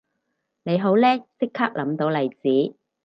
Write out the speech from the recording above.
你好叻即刻諗到例子